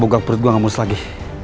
pokoknya perut gue gak murs lagi